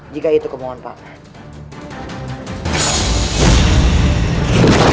jika itu kemampuan pamar